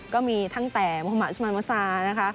ก็มีทั้งแต่พระมหมาศมี็มาศา